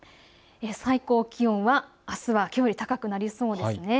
最高気温はあすはきょうより高くなりそうです。